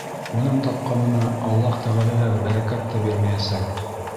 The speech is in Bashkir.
Уның тапҡанына Аллаһ Тәғәлә бәрәкәт тә бирмәйәсәк.